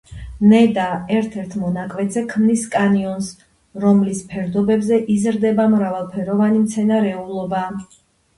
ნედა ერთ-ერთ მონაკვეთზე ქმნის კანიონს, რომლის ფერდობებზე იზრდება მრავალფეროვანი მცენარეულობა.